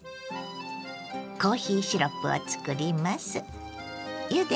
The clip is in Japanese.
コーヒーシロップを作ります。